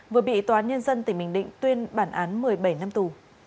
vừa bị tòa án nhân dân tỉnh bình định tuyên bản án một mươi bảy năm tù